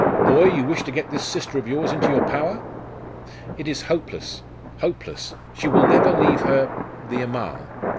'Boy, you wish to get this sister of yours into your power?' 'It is hopeless hopeless! She will never leave her the Amal.